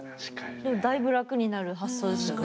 だいぶ楽になる発想ですよね。